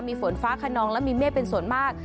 มีฝนฟ้าขนองและมีเมฆเป็นส่วนมาก